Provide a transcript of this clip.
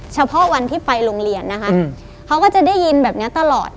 เฉพาะวันที่ไปโรงเรียนนะคะเขาก็จะได้ยินแบบนี้ตลอด